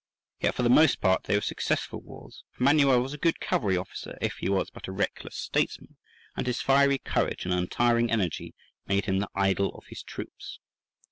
Yet for the most part they were successful wars, for Manuel was a good cavalry officer if he was but a reckless statesman, and his fiery courage and untiring energy made him the idol of his troops.